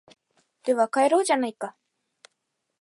では帰ろうじゃないか